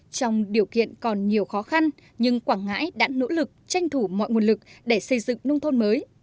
trong điều kiện còn nhiều khó khăn nhưng quảng ngãi đã nỗ lực tranh thủ mọi nguồn lực để xây dựng nông thôn mới